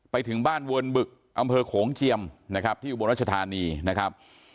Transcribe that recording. ไปถึงบ้านเวิร์นบึกอำเภอโขงเจียมนะครับที่อุบลรัชธานีนะครับ